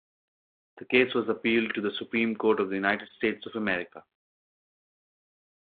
The case was appealed to the Supreme Court of the United States of America.